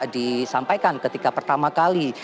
disampaikan ketika pertama kali